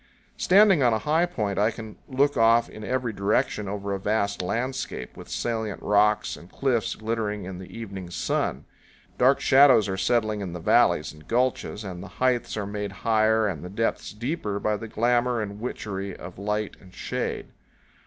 Standing on a high point, I can look off in every direction over a vast landscape, with salient rocks and cliffs glittering in the evening sun. Dark shadows are settling in the valleys and gulches, and the heights are made higher and the depths deeper by the glamour and witchery of light and shade.